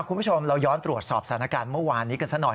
คุณผู้ชมเราย้อนตรวจสอบสถานการณ์เมื่อวานนี้กันสักหน่อย